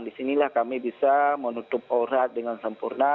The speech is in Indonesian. di sinilah kami bisa menutup aurat dengan sempurna